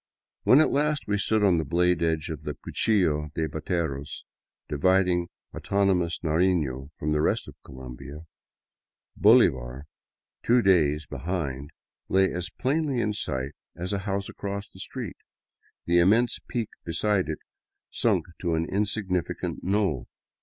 When at last we stood on the blade edge of the Cuchillo de Bateros, dividing autonomous Narifio from the rest of Colombia, Bolivar, two days be hind, lay as plainly in sight as a house across the street, the immense peak beside it sunk to an insignificant knoll.